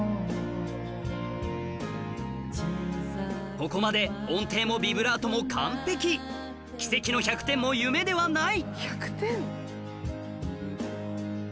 ここまで音程もビブラートも完璧奇跡の１００点も夢ではない